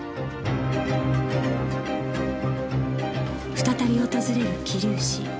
再び訪れる桐生市